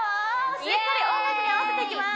しっかり音楽に合わせていきます